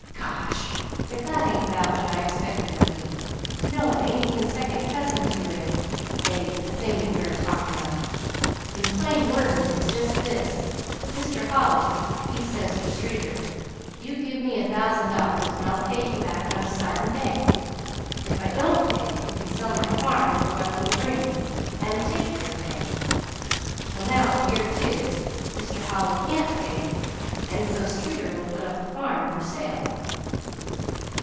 "Gosh, if that ain't 'bout what I expected of ye! No, it ain't even second cousin to a a that thing you're a talkin' of. In plain wordin', it's jest this: Mr. Holly, he says ter Streeter: 'You give me a thousand dollars and I'll pay ye back on a sartin day; if I don't pay, you can sell my farm fur what it'll bring, an' TAKE yer pay. Well, now here 't is. Mr. Holly can't pay, an' so Streeter will put up the farm fur sale."